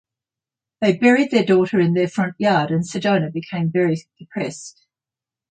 They buried their daughter in their front yard and Sedona became very depressed.